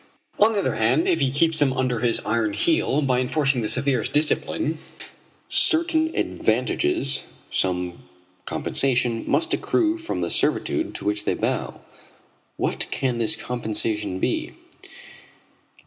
On the other hand, if he keeps them under his iron heel by enforcing the severest discipline, certain advantages, some compensation, must accrue from the servitude to which they bow. What can this compensation be?